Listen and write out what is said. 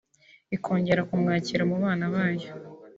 Ikongera kumwakira mu bana bayo…